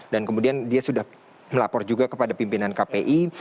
dan kemudian dia sudah melapor juga kepada pimpinan kpi